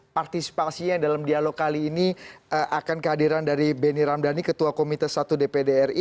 partisipasinya dalam dialog kali ini akan kehadiran dari benny ramdhani ketua komite satu dpd ri